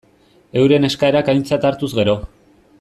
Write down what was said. Euren eskaerak aintzat hartuz gero.